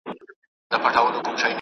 هاوان